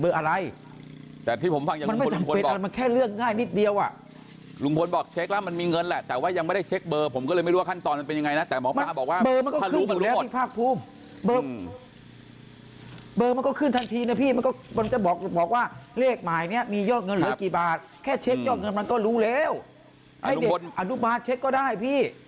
เบอร์มันก็ขึ้นอยู่แล้วพี่ภาคภูมิเบอร์มันก็ขึ้นทันทีนะพี่มันก็จะบอกว่าเลขหมายเนี่ยมียอดเงินเหลือกี่บาทแค่เช็คยอดเงินมันก็รู้แล้วให้เด็กอนุบาทเช็คก็ได้พี่